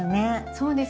そうですね。